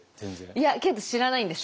いやけど知らないんです。